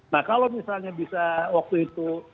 nah kalau misalnya bisa waktu itu